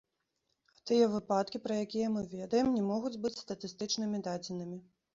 А тыя выпадкі, пра якія мы ведаем, не могуць быць статыстычнымі дадзенымі.